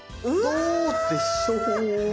どうでしょう。